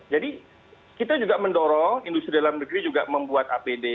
jadi kita juga mendorong industri dalam negeri juga membuat apd